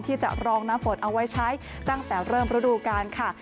ที่จะรองน้ำฝนเอาไว้ใช้ตั้งแต่เริ่มฤดูกาลค่ะ